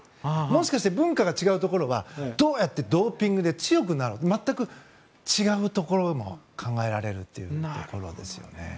もしかして文化が違うところはどうやってドーピングで強くなろうと全く違うところも考えられるというところですよね。